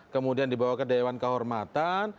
kemudian dibawa ke dewan kehormatan